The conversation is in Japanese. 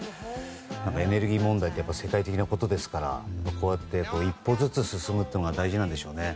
エネルギー問題って世界的なものですからこうやって一歩ずつ進むのが大事なんでしょうね。